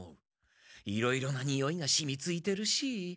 いろいろなにおいがしみついてるし。